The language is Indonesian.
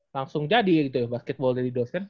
langsung jadi gitu ya basketball jadi dosen